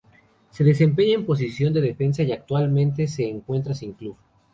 Se desempeña en posición de defensa y actualmente se encuentra sin club.